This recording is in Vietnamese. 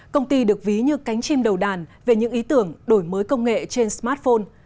công ty được ví như cánh chim đầu đàn về những ý tưởng đổi mới công nghệ trên smartphone